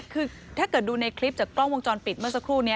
คือถ้าเกิดดูในคลิปจากกล้องวงจรปิดเมื่อสักครู่นี้